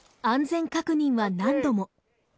安全確認は何度も。